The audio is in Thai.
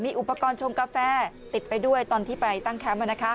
มีอุปกรณ์ชงกาแฟติดไปด้วยตอนที่ไปตั้งแคมป์แล้วนะคะ